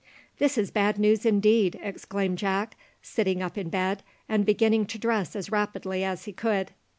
"This is bad news indeed," exclaimed Jack, sitting up in bed, and beginning to dress as rapidly as he could.